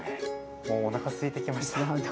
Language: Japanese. もうおなかすいてきました。